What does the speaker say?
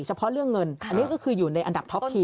เฉพาะเรื่องเงินอันนี้ก็คืออยู่ในอันดับท็อปที